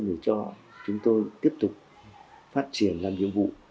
để cho chúng tôi tiếp tục phát triển làm nhiệm vụ